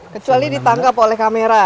kecuali ditangkap oleh kamera